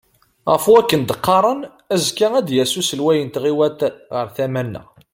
Ɣef wakk-n d-qqaren, azekka ad d-yas uselway n tɣiwant ɣer tama-nneɣ.